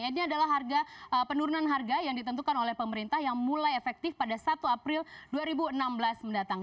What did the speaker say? ini adalah harga penurunan harga yang ditentukan oleh pemerintah yang mulai efektif pada satu april dua ribu enam belas mendatang